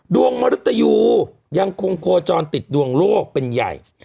มรุตยูยังคงโคจรติดดวงโลกเป็นใหญ่